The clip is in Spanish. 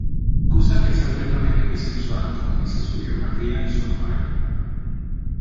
Cusack es abiertamente bisexual, como dice su biografía en Survivor.